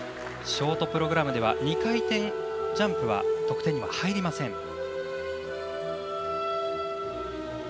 ショートプログラムでは２回転ジャンプは得点に入りません。